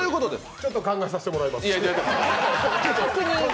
ちょっと考えさせてもらいます。